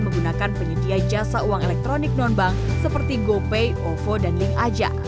menggunakan penyedia jasa uang elektronik non bank seperti gopay ovo dan link aja